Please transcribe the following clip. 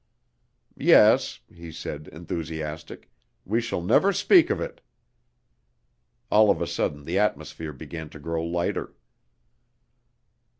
"Yes," he said, enthusiastic, "we shall never speak of it." (All of a sudden the atmosphere began to grow lighter.)